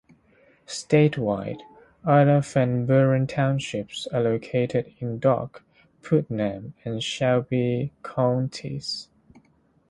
Statewide, other Van Buren Townships are located in Darke, Putnam, and Shelby counties.